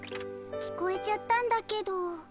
聞こえちゃったんだけど。